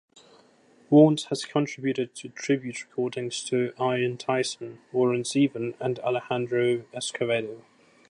Warnes has contributed to tribute recordings to Ian Tyson, Warren Zevon and Alejandro Escovedo.